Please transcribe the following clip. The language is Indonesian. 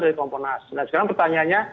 dari komponas nah sekarang pertanyaannya